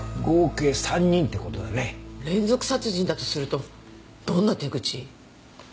連続殺人だとするとどんな手口？